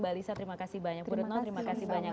balisa terima kasih banyak purutno terima kasih banyak